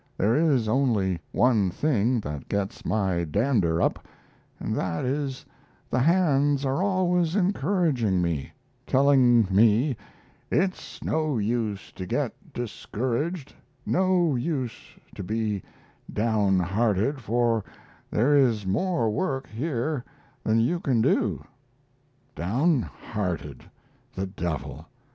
There is only one thing that gets my "dander" up and that is the hands are always encouraging me: telling me "it's no use to get discouraged no use to be downhearted, for there is more work here than you can do!" "Downhearted," the devil!